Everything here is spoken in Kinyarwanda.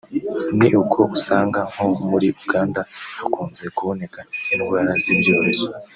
ni uko usanga nko muri Uganda hakunze kuboneka indwara z’ibyorezo